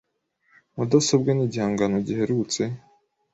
Mudasobwa ni igihangano giherutse .